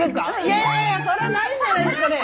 いやいやいやいやそれはないんじゃないですかね？